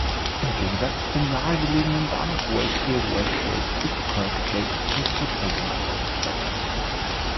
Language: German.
Im Gegensatz zum nahegelegenen Bahnhof Wakefield Westgate ist Kirkgate nicht mit Personal ausgestattet.